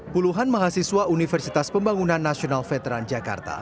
puluhan mahasiswa universitas pembangunan nasional veteran jakarta